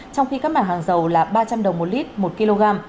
trong khi các mặt hàng dầu là ba trăm linh đồng mỗi lít một kg